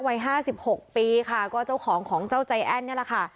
วัยห้าสิบหกปีค่ะก็เจ้าของของเจ้าใจแอ้นนี่แหละค่ะ